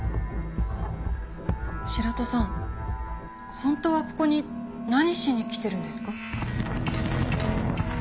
本当はここに何しに来てるんですか？